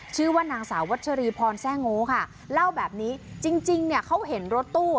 ชื่อว่านางสาววัชรีพรแซ่โงค่ะเล่าแบบนี้จริงจริงเนี่ยเขาเห็นรถตู้อ่ะ